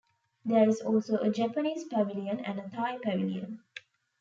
There is also a Japanese Pavilion and a Thai Pavilion.